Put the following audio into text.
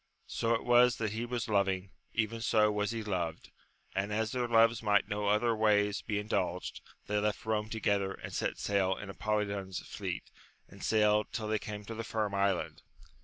So it was that as he was loving, even so was he loyed, and as their loves might no other ways be indulged, they left Rome together, and set sail in Apolidon's fleet, and sailed till they came to the Firm Island.